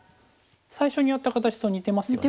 最初にやった形と似てますよね。